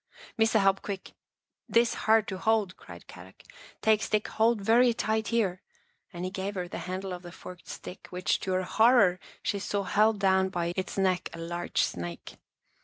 " Missa help quick. This hard to hold," cried Kadok. " Take stick, hold very tight here," and he gave her the handle of the forked stick which, to her horror, she saw held down by its neck a large snake.